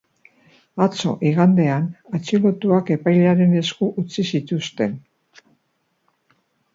Atzo, igandean, atxilotuak epailearen esku utzi zituzten.